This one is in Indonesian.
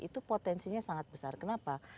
itu potensinya sangat besar kenapa